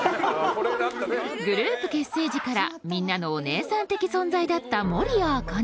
グループ結成時からみんなのお姉さん的存在だった守屋茜。